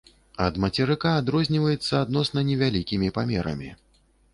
Ад мацерыка адрозніваецца адносна невялікімі памерамі.